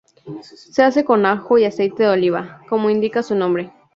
Se hace con ajo y aceite de oliva, como indica su nombre.